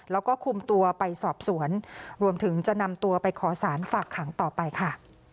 แล้วก็คุมตัวไปสอบสวนรวมถึงจะนำตัวไปขอสารฝากขังต่อไปค่ะ